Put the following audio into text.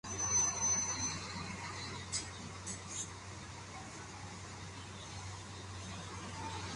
Recibió el nombre de estación Boulevard Circunvalación.